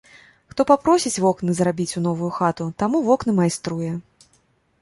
Хто папросіць вокны зрабіць у новую хату, таму вокны майструе.